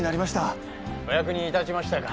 お役に立ちましたか？